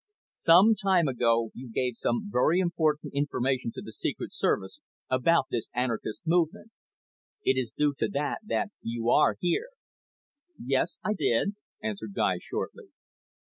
Some time ago you gave some very important information to the Secret Service about this anarchist movement. It is due to that that you are here." "Yes, I did," answered Guy shortly.